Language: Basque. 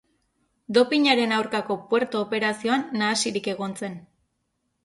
Dopinaren aurkako Puerto operazioan nahasirik egon zen.